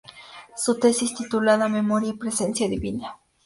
Su tesis, titulada "Memoria y presencia divina.